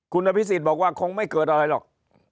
คุณอภิษฎบอกว่าคงไม่เกิดอะไรหรอก